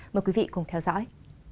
mời quý vị cùng theo dõi